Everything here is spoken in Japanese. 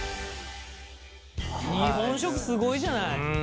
日本食すごいじゃない。